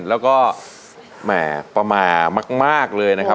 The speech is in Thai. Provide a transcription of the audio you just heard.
แล้วก็แหม่ประมาทมากเลยนะครับ